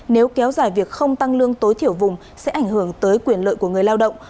nếu kéo dài việc không tăng lương tối thiểu vùng sẽ ảnh hưởng tới quyền lợi của người lao động